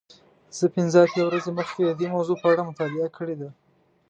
زه پنځه اتیا ورځې مخکې د دې موضوع په اړه مطالعه کړې ده.